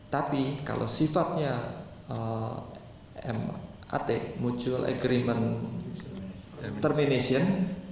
tapi kalau sifatnya m a t mutual agreement termination